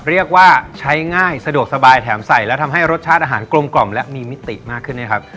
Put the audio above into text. เรียกว่าใช้ง่ายสะดวกสบายแถมใส่แล้วทำให้รสชาติอาหารกลมกล่อมและมีมิติมากขึ้นด้วยครับ